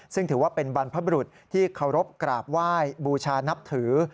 ซึ่งถือว่าเป็นบรรพบรุษที่เคารพกราบไหว้บูชานับถือ